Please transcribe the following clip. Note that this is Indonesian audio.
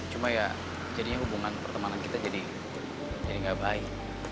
cuma ya jadinya hubungan pertemanan kita jadi gak baik